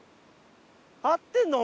合ってるの？